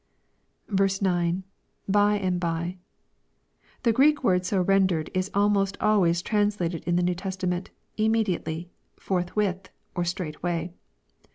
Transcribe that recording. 9. — [By and 6y.] The Greek word so rendered is almost always translated in the New Testament, "immediately," "forthwith," or " straightway."